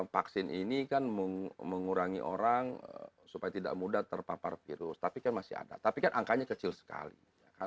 vaksin ini kan mengurangi orang supaya tidak mudah terpapar virus tapi kan masih ada tapi kan angkanya kecil sekali